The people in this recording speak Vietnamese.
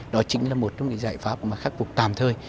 đó chính là một trong những giải pháp mà khắc phục tạm thời